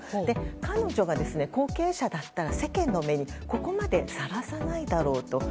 彼女が後継者だったら世間の目にここまでさらさないだろうと。